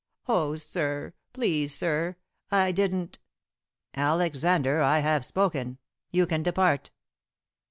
"Oh, sir please, sir I didn't " "Alexander, I have spoken. You can depart."